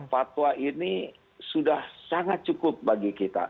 fatwa ini sudah sangat cukup bagi kita